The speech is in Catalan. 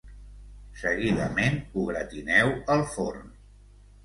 Seguidament ho gratineu al forn.